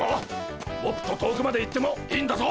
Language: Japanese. もっと遠くまで行ってもいいんだぞ！